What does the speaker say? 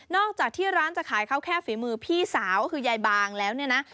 จากที่ร้านจะขายข้าวแค่ฝีมือพี่สาวก็คือยายบางแล้วเนี่ยนะ